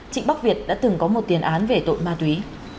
trịnh bắc việt đã từng có một tiền án về tội ma túy